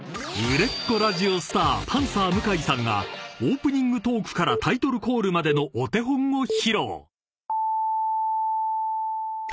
［売れっ子ラジオスターパンサー向井さんがオープニングトークからタイトルコールまでのお手本を披露］